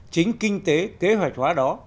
chính kinh tế kế hoạch hóa đó